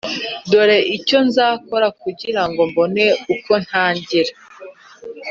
Dore icyo nzakora kugira ngo mbone uko ntangira